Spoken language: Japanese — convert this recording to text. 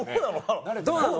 どうなの？